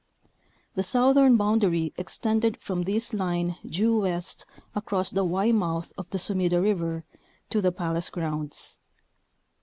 The southern boundary extended from this line due west across the Y mouth of the Sumida River to the palace grounds.